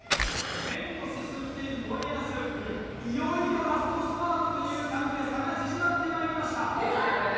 麺をすすっているもえあずいよいよラストスパートという感じで差が縮まってまいりました。